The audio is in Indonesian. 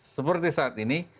seperti saat ini